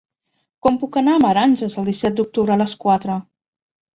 Com puc anar a Meranges el disset d'octubre a les quatre?